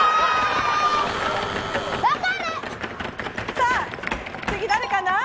さあ次誰かな？